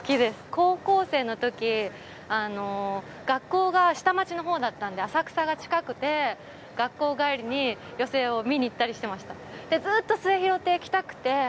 高校生のとき学校が下町のほうだったんで浅草が近くて学校帰りに寄席を観に行ったりしてました。